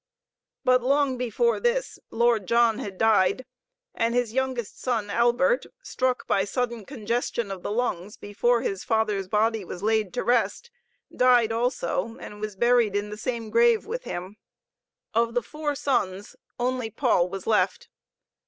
But long before this the Lord John had died, and his youngest son, Albert, struck by sudden congestion of the lungs before his father's body was laid to rest, died also, and was buried in the same grave with him. Of the four sons only Paul was left.